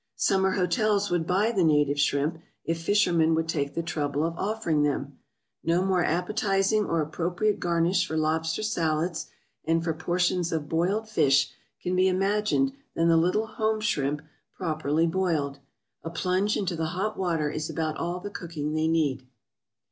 Summer hotels would buy the native shrimp if fishermen would take the trouble of offering them. No more appetizing or appropriate garnish for lobster salads and for portions of boiled fish can be imagined than the little home shrimp properly boiled. A plunge into the hot water is about all the cooking they need.